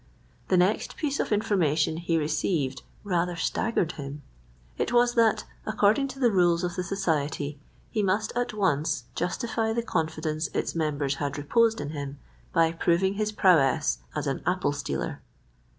The next piece of information he received rather staggered him. It was that, according to the rules of the society, he must at once justify the confidence its members had reposed in him by proving his prowess as an apple stealer.